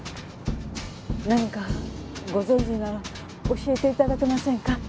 何かご存じなら教えて頂けませんか？